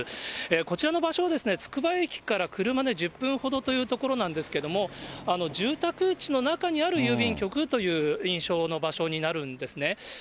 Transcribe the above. こちらの場所はですね、つくば駅から車で１０分ほどという所なんですけれども、住宅地の中にある郵便局という印象の場所になるんですね。